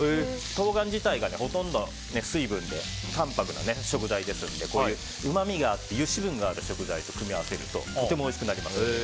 冬瓜自体がほとんど水分で淡泊な食材ですのでうまみがあって油脂分がある食材と組み合わせるととてもおいしくなります。